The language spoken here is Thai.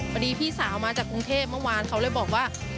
พี่สาวมาจากกรุงเทพเมื่อวานเขาเลยบอกว่า